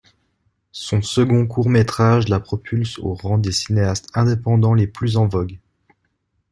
Son second court-métrage la propulse au rang des cinéastes indépendants les plus en vogue.